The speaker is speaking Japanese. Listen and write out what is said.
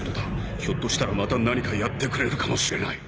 ひょっとしたらまた何かやってくれるかもしれない